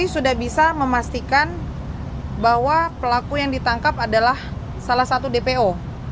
sudah bisa memastikan bahwa pelaku yang ditangkap adalah salah satu dpo